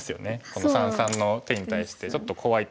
この三々の手に対してちょっと怖い手が。